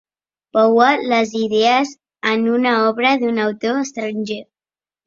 Poua les idees en una obra d'un autor estranger.